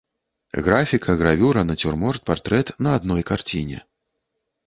Графіка, гравюра, нацюрморт, партрэт на адной карціне.